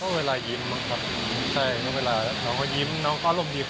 มีเวลายิ้มอะใช่มีเวลาน้องก็ยิ้มน้องก็อารมณ์ดี